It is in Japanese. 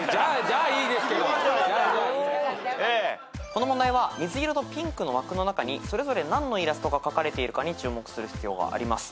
この問題は水色とピンクの枠の中にそれぞれ何のイラストが描かれているかに注目する必要があります。